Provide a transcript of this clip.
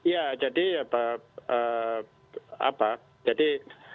ya jadi apa jadi